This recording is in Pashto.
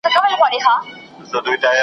زه د جهل ځنځیرونه د زمان کندي ته وړمه .